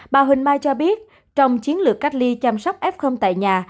bà huỳnh mai cho biết trong chiến lược cách ly chăm sóc f tại nhà